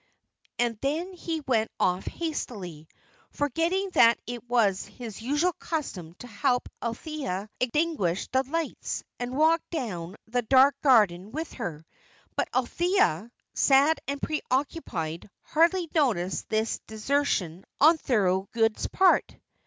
And then he went off hastily, forgetting that it was his usual custom to help Althea extinguish the lights, and to walk down the dark garden with her; but Althea, sad and pre occupied, hardly noticed this desertion on Thorold's part.